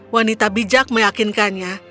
wanita bijak meyakinkannya